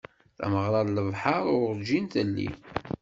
Tameγra n lebḥeṛ urğin telli.